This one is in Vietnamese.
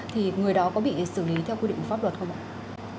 thì người đó có bị xử lý theo quy định của pháp luật không ạ